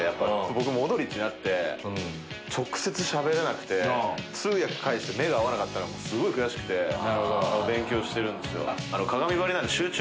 僕モドリッチに会って直接しゃべれなくて通訳介してて目が合わなかったのすごい悔しくて勉強してるんすよ。